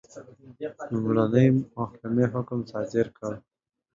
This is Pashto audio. لومړنۍ محکمې حکم صادر کړ.